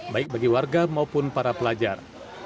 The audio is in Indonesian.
baik bagi warga maupun para pelajar